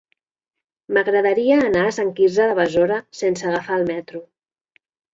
M'agradaria anar a Sant Quirze de Besora sense agafar el metro.